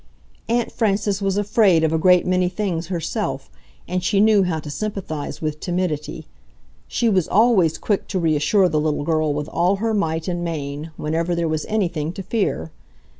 Aunt Frances was afraid of a great many things herself, and she knew how to sympathize with timidity. She was always quick to reassure the little girl with all her might and main whenever there was anything to fear.